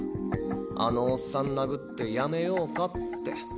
あのオッサン殴って辞めようかって。